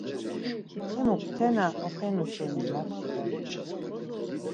Hemuk tena oxenu şeni moxtu dort̆un.